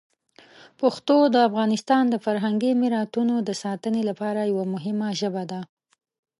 پښتو د افغانستان د فرهنګي میراتونو د ساتنې لپاره یوه مهمه ژبه ده.